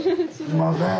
すんません。